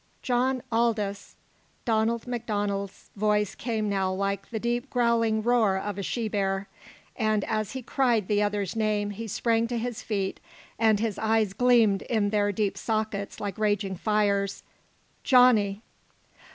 John Aldous!" Donald MacDonald's voice came now like the deep growling roar of a she bear, and as he cried the other's name he sprang to his feet, and his eyes gleamed in their deep sockets like raging fires. "Johnny!"